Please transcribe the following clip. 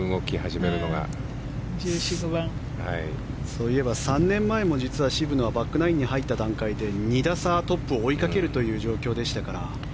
そういえば３年前も渋野はバックナインに入った段階で２打差トップを追いかけるという状況でしたから。